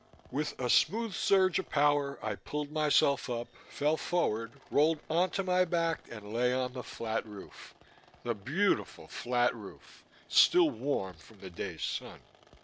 _ With a smooth surge of power I pulled myself up, fell forward, rolled onto my back, and lay on the flat roof, the beautiful flat roof, still warm from the day's sun.